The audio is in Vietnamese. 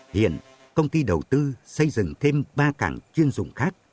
hiện công ty đầu tư xây dựng thêm ba cảng chuyên dụng khác